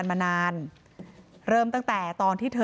นายพิรายุนั่งอยู่ติดกันแบบนี้นะคะ